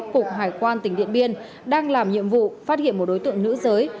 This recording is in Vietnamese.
cục hải quan tỉnh điện biên đang làm nhiệm vụ phát hiện một đối tượng nữ giới